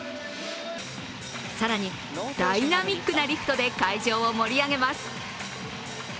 更にダイナミックなリフトで会場を盛り上げます。